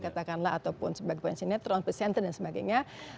katakanlah ataupun sebagai pensioner tronspesenter dan sebagainya